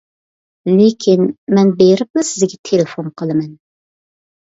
لېكىن، مەن بېرىپلا سىزگە تېلېفون قىلىمەن.